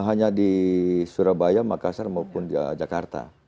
hanya di surabaya makassar maupun di jakarta